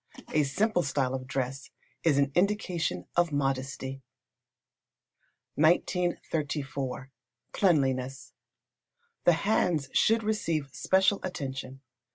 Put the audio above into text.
A simple style of dress is an indication of modesty. 1934. Cleanliness. The hands should receive special attention.